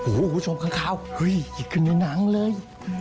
โหคุณผู้ชมข้างขาวเหยียดขึ้นในหนังเลย